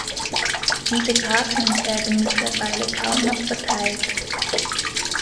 Diese Karten werden mittlerweile kaum noch verteilt.